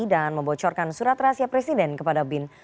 dan membocorkan surat rahasia presiden kepada bin